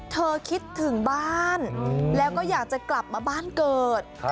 คิดถึงบ้านแล้วก็อยากจะกลับมาบ้านเกิด